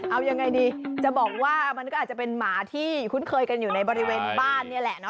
เอายังไงดีจะบอกว่ามันก็อาจจะเป็นหมาที่คุ้นเคยกันอยู่ในบริเวณบ้านนี่แหละ